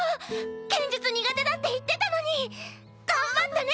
剣術苦手だって言ってたのに頑張ったね。